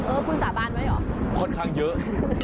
เออคุณสาบานไว้เหรอค่อนข้างเยอะ